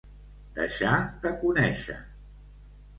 Deixar de conèixer.